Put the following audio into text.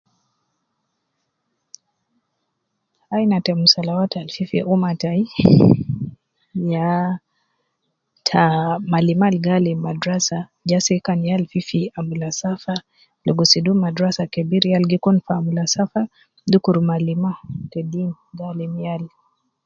Aina te musalawat al fifi umma tai, ya ta malima al gi alim madrasa je ase kan yal fi fi amula safa, logo sidu madrasa kebir yal gi kun fi amula safa dukur malima te deen gi alim yal